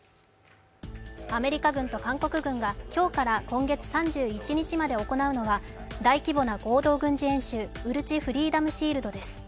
アメリカ軍と韓国軍が今日から今月３１日まで行うのは、大規模な合同軍事演習、乙支フリーダムシールドです。